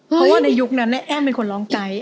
เพราะว่าในยุคนั้นแอ้มเป็นคนร้องใจ